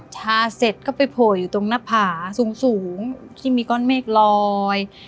เสร็จก็ไปโผล่อยู่ตรงหน้าผาสูงที่มีก้อนเมฆลอย